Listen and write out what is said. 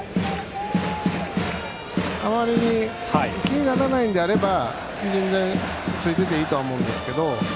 あまり気にならないのであれば全然、ついていてもいいとは思うんですが。